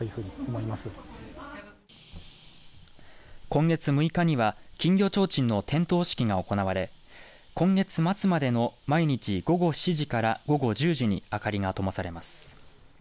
今月６日には金魚ちょうちんの点灯式が行われ今月末までの毎日午後７時から午後１０時に明かりがともされます。